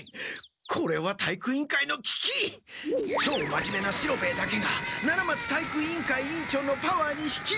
これは体育委員会のききちょう真面目な四郎兵衛だけが七松体育委員会委員長のパワーに引きずられている！